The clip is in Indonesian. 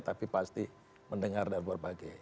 tapi pasti mendengar dari berbagai